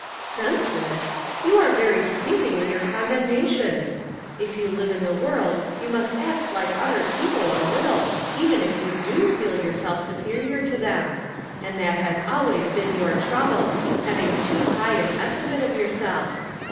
'* Senseless ! You are very sweeping in your condemnations. If you live in the world you must act like other people a little, even if you do feel yourself superior to them ; and that has always been your trouble — having too high an estimate of 3'ourself.